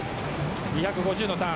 ２５０のターン。